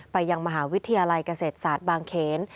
ยังมหาวิทยาลัยเกษตรศาสตร์บางเขน